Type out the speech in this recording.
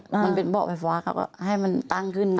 มันเป็นเบาะไฟฟ้าเขาก็ให้มันตั้งขึ้นมา